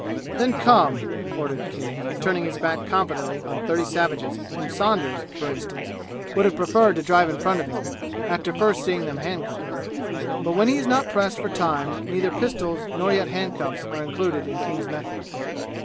"Then, come!" ordered King, turning his back confidently on thirty savages whom Saunders, for instance, would have preferred to drive in front of him, after first seeing them handcuffed. But when he is not pressed for time neither pistols, nor yet handcuffs, are included in King's method.